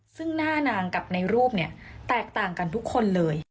ซึ่งหน้านางกับในรูปเนี่ยแตกต่างกันทุกคนเลย